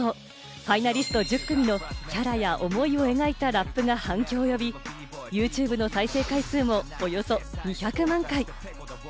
ファイナリスト１０組のキャラや思いを描いたラップが反響を呼び、ＹｏｕＴｕｂｅの再生回数もおよそ２００万回。